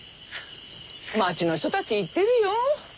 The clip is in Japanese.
町の人たち言ってるよ